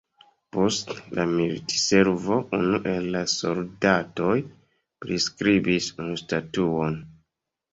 Post la militservo unu el la soldatoj priskribis unu statuon.